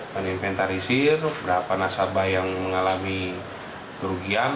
dan inventarisir berapa nasabah yang mengalami kerugian